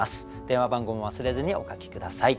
電話番号も忘れずにお書き下さい。